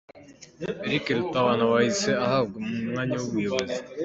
Eric Rutabana wahise ahabwa umwanya w’ubuyobozi.